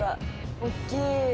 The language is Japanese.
大っきい。